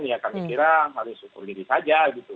ya kami kira harus ukur diri saja gitu